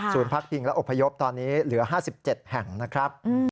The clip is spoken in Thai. พักพิงและอบพยพตอนนี้เหลือ๕๗แห่งนะครับ